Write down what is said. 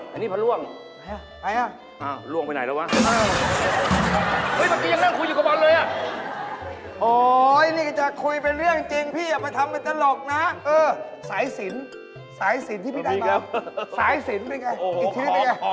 สายสินสายสินที่พี่ดันเอาสายสินเป็นไงอีกทีเป็นไง